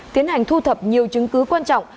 tiến hành thu thập nhiều chứng cứ quan trọng